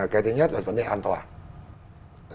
cái thứ nhất là vấn đề an toàn